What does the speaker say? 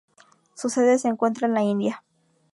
Su sede se encuentra en la India.